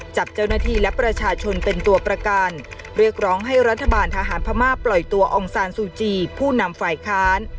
จับเจ้าหน้าที่และประชาชนเป็นตัวประกันเรียกร้องให้รัฐบาลทหารพม่าปล่อยตัวองซานซูจีผู้นำฝ่ายค้าน